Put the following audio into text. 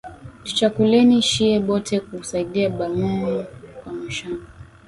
Tuchakuleni shiye bote ku saidia ba mama ku mashamba